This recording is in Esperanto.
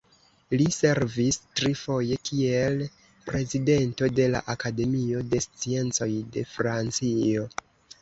Li servis tri foje kiel prezidento de la Akademio de Sciencoj de Francio.